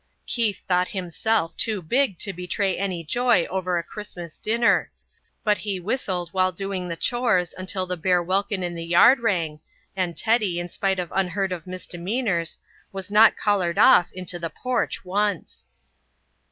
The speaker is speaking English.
Keith thought himself too big to betray any joy over a Christmas dinner, but he whistled while doing the chores until the bare welkin in the yard rang, and Teddy, in spite of unheard of misdemeanours, was not collared off into the porch once.